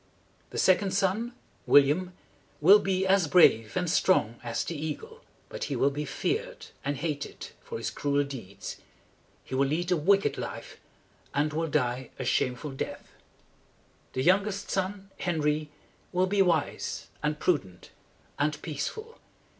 "The second son, William, will be as brave and strong as the eagle; but he will be feared and hated for his cruel deeds. He will lead a wicked life, and will die a shameful death. "The youngest son, Henry, will be wise and prudent and peaceful.